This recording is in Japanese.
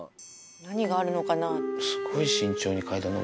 「何があるのかな？」。